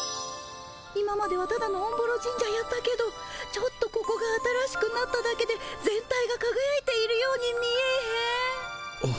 今まではただのおんぼろ神社やったけどちょっとここが新しくなっただけで全体がかがやいているように見えへん？